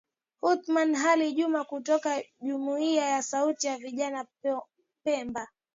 Othman Ali Juma kutoka Jumuiya ya Sauti ya Vijana Pemba